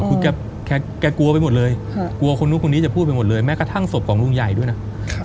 คือแกกลัวไปหมดเลยกลัวคนนู้นคนนี้จะพูดไปหมดเลยแม้กระทั่งศพของลุงใหญ่ด้วยนะ